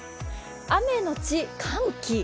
雨のち寒気。